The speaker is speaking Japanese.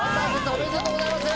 おめでとうございます。